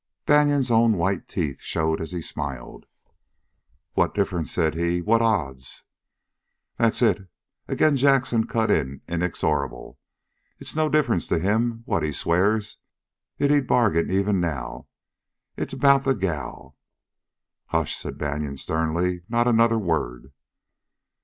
Banion's own white teeth showed as he smiled. "What difference?" said he. "What odds?" "That's hit!" Again Jackson cut in, inexorable. "Hit's no difference to him what he sw'ars, yit he'd bargain even now. Hit's about the gal!" "Hush!" said Banion sternly. "Not another word!"